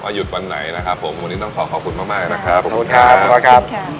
หยุดวันไหนนะครับผมวันนี้ต้องขอขอบคุณมากมากนะครับขอบคุณครับขอบคุณครับค่ะ